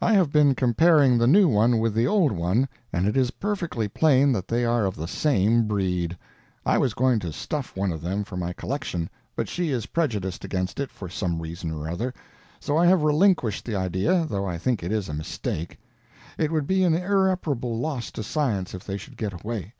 I have been comparing the new one with the old one, and it is perfectly plain that they are of the same breed. I was going to stuff one of them for my collection, but she is prejudiced against it for some reason or other; so I have relinquished the idea, though I think it is a mistake. It would be an irreparable loss to science if they should get away.